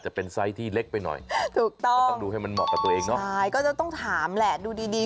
ใช่น่ะก็ต้องถามดูดี